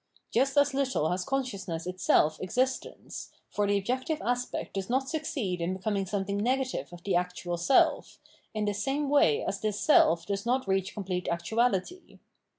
Just as little has consciousness itself existence, for the objective aspect does not succeed in becoming something negative of the actual self, in the same way as this self does not reach complete actuality.